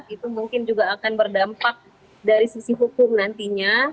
itu mungkin juga akan berdampak dari sisi hukum nantinya